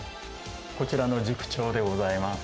こちらの塾長でございます。